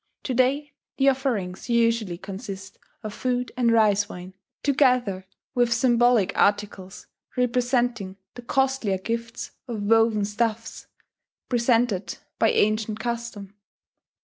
To day the offerings usually consist of food and rice wine, together with symbolic articles representing the costlier gifts of woven stuffs presented by ancient custom.